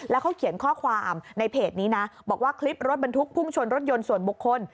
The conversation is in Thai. แล้วเขาเขียนข้อความในเพจนี้นะบอกว่าคลิปรถบรรทุกพุ่งชนรถยนต์ส่วนบุคคล